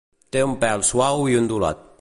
Té un pèl suau i ondulat.